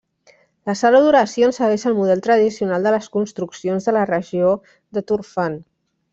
La sala d'oracions segueix el model tradicional de les construccions de la regió de Turfan.